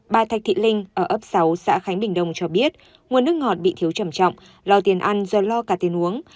bà thạch thị linh ở ấp sáu xã khánh bình đông cho biết nguồn nước ngọt bị thiếu trầm trọng lo tiền ăn do lo cả tiền uống